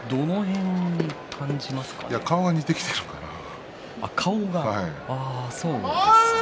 顔が似てきていますね。